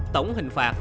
tổng hình phạt